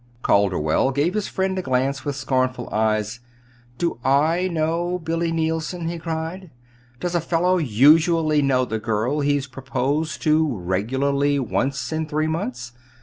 Calderwell gave his friend a glance from scornful eyes. "Do I know Billy Neilson?" he cried. "Does a fellow usually know the girl he's proposed to regularly once in three months?